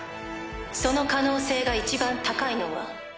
その可能性が一番高いのは。